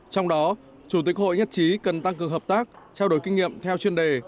trong đó chủ tịch hội nhất trí cần tăng cường hợp tác trao đổi kinh nghiệm theo chuyên đề